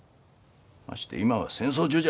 まして今は戦争中じゃ。